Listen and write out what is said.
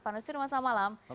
pak nusirwan selamat malam